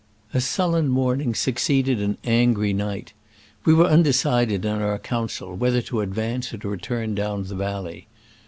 A sullen morning succeeded an angry night. We were undecided in our coun cil whether to advance or to return down the valley.